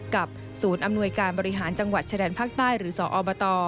กับศูนย์อำนวยการบริหารจังหวัดชายแดนภาคใต้หรือสอบต